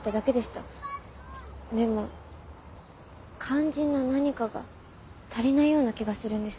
でも肝心な何かが足りないような気がするんです。